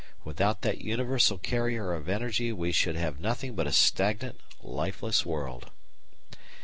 Without that universal carrier of energy we should have nothing but a stagnant, lifeless world.